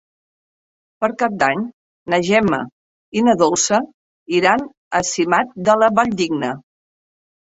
Per Cap d'Any na Gemma i na Dolça iran a Simat de la Valldigna.